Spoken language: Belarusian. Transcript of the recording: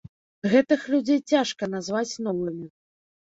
Гэтых людзей цяжка назваць новымі.